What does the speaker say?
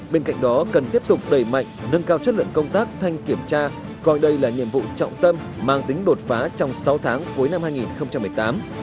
bên cạnh đó cần tiếp tục đẩy mạnh nâng cao chất lượng công tác thanh kiểm tra coi đây là nhiệm vụ trọng tâm mang tính đột phá trong sáu tháng cuối năm hai nghìn một mươi tám